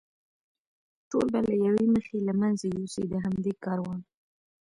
ټول به له یوې مخې له منځه یوسي، د همدې کاروان.